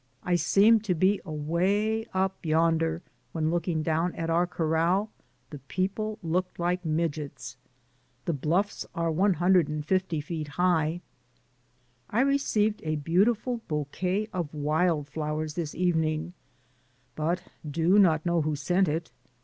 I seemed to be away up yonder, when look ing down at our corral the people looked like midgets. The bluffs are 150 feet high. I received a beautiful bouquet of wild flow ers this evening, but do not know who sent it.